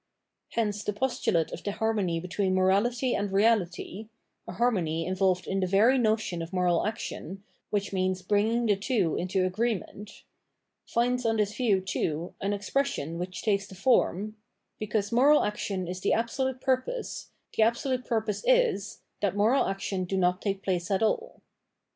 Hence the postulate of the harmony between morality and reality — a harmony involved in the very notion of moral action, which means bringing the two into agreement — finds on this view, too, an ex pression which takes the form :— because moral action is the absolute purpose, the absolute purpose is — that moral action do not take place at all."